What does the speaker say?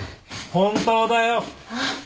本当だよ。